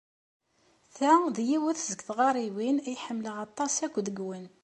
Ta d yiwet seg tɣariwin ay ḥemmleɣ aṭas akk deg-wen.